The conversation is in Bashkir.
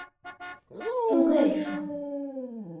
Түгел шул...